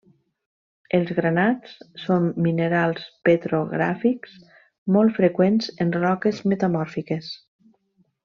Els granats són minerals petrogràfics, molt freqüents en roques metamòrfiques.